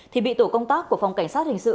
thì bị tổ công tác của phòng cảnh sát hình sự